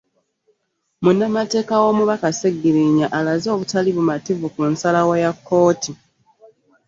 Munamateeka w'omubaka Ssegirinya alaze obutali bumativu ku nsalawo ya kkooti .